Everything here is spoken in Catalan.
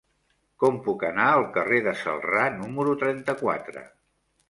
Com puc anar al carrer de Celrà número trenta-quatre?